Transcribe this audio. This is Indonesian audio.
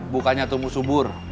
bukannya tumbuh subur